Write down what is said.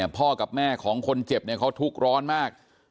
พ่อกับแม่ของคนเจ็บเนี่ยเขาทุกข์ร้อนมาก